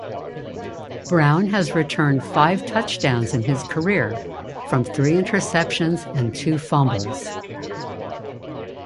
Brown has returned five touchdowns in his career, from three interceptions and two fumbles.